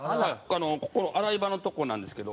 ここの洗い場のとこなんですけど。